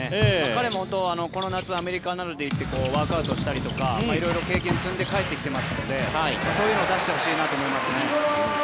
彼もこの夏アメリカに行ってワークアウトをしたりとか色々、経験を積んで帰ってきてますのでそういうのを出してほしいと思いますね。